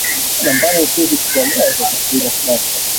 Baadhi ya waasi hao walirudi Kongo kwa hiari